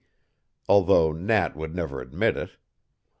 _, although Nat would never admit it.